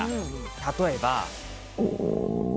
例えば。